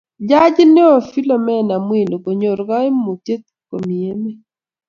judgit neo philimena mwilu konyor kaimutyet komi emet